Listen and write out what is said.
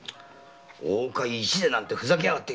大岡“一善”なんてふざけやがって。